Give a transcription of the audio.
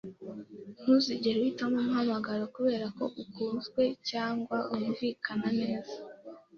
Ntuzigere uhitamo umuhamagaro kubera ko ukunzwe cyangwa wumvikana neza.